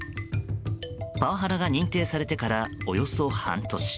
パワハラが認定されてからおよそ半年。